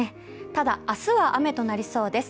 ただ、明日は雨となりそうです。